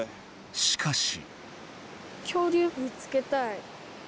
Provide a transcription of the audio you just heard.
しかし。